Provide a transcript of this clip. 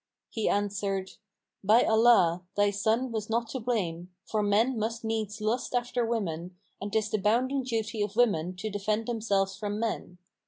He answered, "By Allah, thy son was not to blame, for men must needs lust after women, and 'tis the bounden duty of women to defend themselves from men.